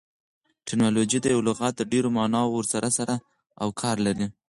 ټرمینالوژي د یوه لغات د ډېرو ماناوو سره سر او کار لري.